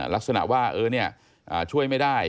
ลักษณะว่าช่วยไม่ได้